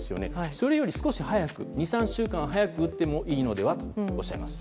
それより少し早く２３週間早く打ってもいいのではとおっしゃいます。